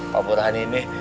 pak burhan ini